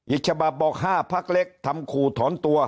อีกฉบับบอก๕พักเล็กทำขู่ถอนตัว